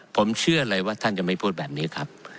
ผมเชื่อเลยว่าท่านจะไม่พูดแบบนี้ครับ